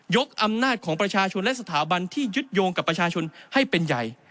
อำนาจของประชาชนและสถาบันที่ยึดโยงกับประชาชนให้เป็นใหญ่